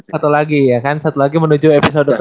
satu lagi ya kan satu lagi menuju episode kedua